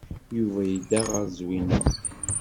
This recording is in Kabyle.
Yuba yedda ɣer Zwina.